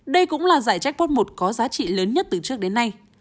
đây cũng là giải jackpot một có giá trị lớn nhất từ trước đến nay